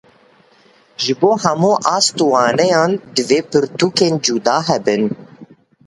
Ji bo hemû ast û waneyan divê pirtûkên cuda hebin.